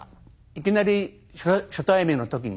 いきなり初対面の時に。